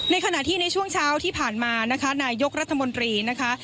ขณะที่ในช่วงเช้าที่ผ่านมานะคะนายกรัฐมนตรีนะคะ